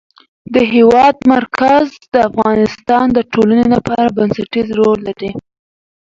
د هېواد مرکز د افغانستان د ټولنې لپاره بنسټيز رول لري.